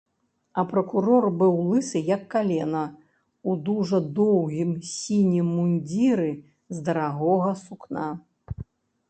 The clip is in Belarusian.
А пракурор быў лысы, як калена, у дужа доўгім сінім мундзіры з дарагога сукна.